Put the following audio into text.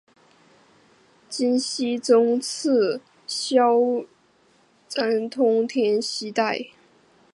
金熙宗赐萧肄通天犀带。